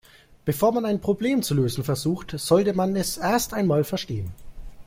Bevor man ein Problem zu lösen versucht, sollte man es erst einmal verstehen.